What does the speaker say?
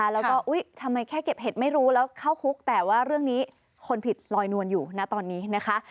แล้วก็ทำไมแค่เก็บเห็ดไม่รู้แล้วเข้าคุกแต่ว่าเรื่องนี้คนผิดลอยนวลอยู่นะตอนนี้นะคะ